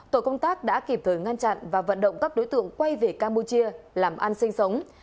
tổ công tác đã kịp thời ngăn chặn và vận động các đối tượng quay về campuchia làm ăn sinh sống